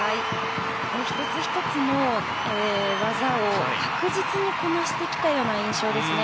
１つ１つの技を確実にこなしてきたような印象ですね。